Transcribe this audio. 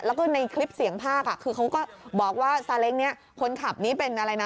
แล้วก็ในคลิปเสียงภาคคือเขาก็บอกว่าซาเล้งนี้คนขับนี้เป็นอะไรนะ